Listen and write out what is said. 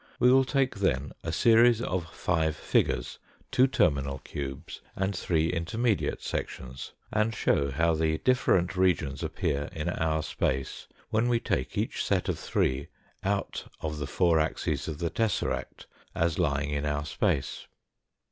We will take then a series of five figures two terminal cubes, and three intermediate sections and show how the different regions appear in our space when we take each set of three out of the four axes of the tesseract as lying in our space.